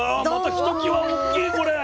ひときわ大きいこれ！